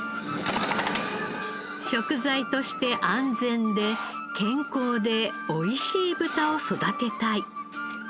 食材として安全で健康でおいしい豚を育てたい。